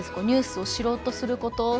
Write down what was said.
ニュースを知ろうとすること。